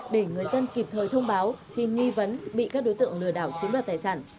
để người dân kịp thời thông báo khi nghi vấn bị các đối tượng lừa đảo chiếm đoạt tài sản